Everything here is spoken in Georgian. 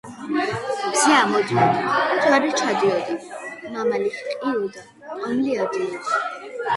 მზე ამოდიოდა მთვარე ჩადიოდა მამალი ჰყიოდა კვამლი ადიოდა